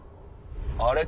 あれ？